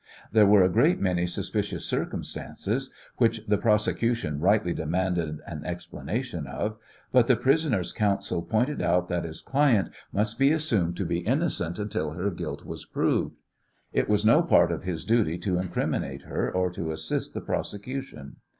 There were a great many suspicious circumstances which the prosecution rightly demanded an explanation of, but the prisoner's counsel pointed out that his client must be assumed to be innocent until her guilt was proved. It was no part of his duty to incriminate her or assist the prosecution.